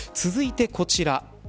続いてこちら。